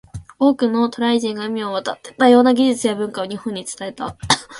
多くの渡来人が海を渡って、多様な技術や文化を日本に伝えた。